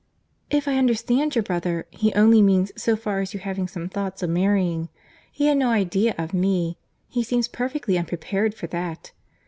"If I understand your brother, he only means so far as your having some thoughts of marrying. He had no idea of me. He seems perfectly unprepared for that."